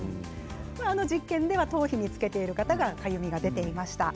今の実験では頭皮につけている方がかゆみが出ていました。